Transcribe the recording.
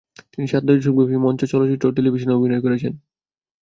তিনি সাত দশক ব্যাপী মঞ্চ, চলচ্চিত্র ও টেলিভিশনে অভিনয় করেছেন।